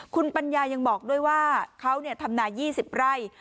คุณปัญญายังบอกด้วยว่าเขาทำนา๒๐ไร่